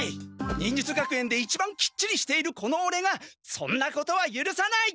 忍術学園で一番きっちりしているこのオレがそんなことはゆるさない！